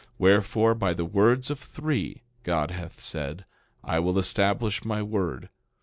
Wherefore, by the words of three, God hath said, I will establish my word.